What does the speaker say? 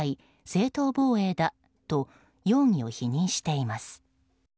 正当防衛だと容疑を否認しています。